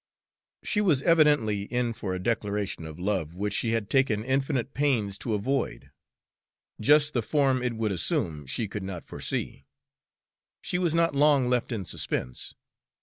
She was evidently in for a declaration of love, which she had taken infinite pains to avoid. Just the form it would assume, she could not foresee. She was not long left in suspense.